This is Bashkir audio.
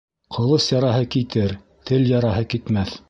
Ҡылыс яраһы китер, теп яраһы китмәҫ.